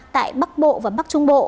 tại bắc bộ và bắc trung bộ